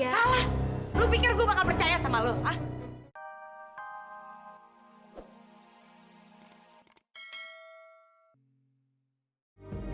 salah lu pikir gue bakal percaya sama lu ah